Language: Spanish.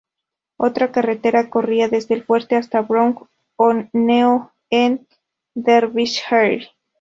Otra carretera corría desde el fuerte hasta Brough on Noe en Derbyshire.